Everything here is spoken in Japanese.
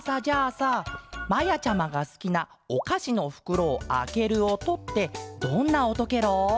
さまやちゃまがすきなおかしのふくろをあけるおとってどんなおとケロ？